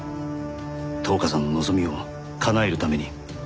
橙花さんの望みを叶えるために。